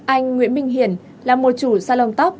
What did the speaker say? anh nguyễn minh hiển là một chủ salon tóc